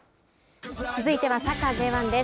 続いてはサッカーＪ１です。